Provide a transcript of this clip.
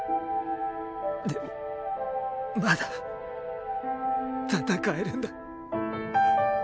でもまだ戦えるんだな。